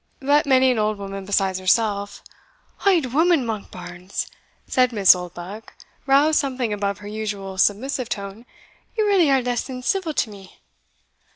But many an old woman besides herself" "Auld woman, Monkbarns!" said Miss Oldbuck, roused something above her usual submissive tone; "ye really are less than civil to me."